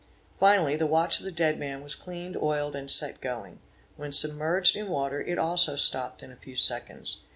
Finally the watch of the dead man was cleaned, oiled, and set going; when submerged in water it also stop ped in a few seconds.